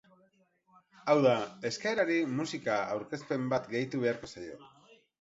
Hau da, eskaerari musika aurkezpen bat gehitu beharko zaio.